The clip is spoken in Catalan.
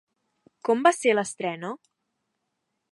Com va ser l'estrena?